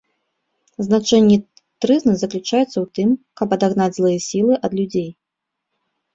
Значэнне трызны заключаецца ў тым, каб адагнаць злыя сілы ад людзей.